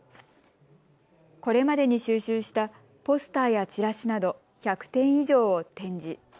これまでに収集したポスターやチラシなど、１００点以上を展示。